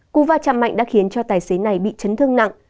cú va chạm mạnh đã khiến cho tài xế này bị chấn thương nặng